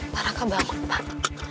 pak raka bangun pak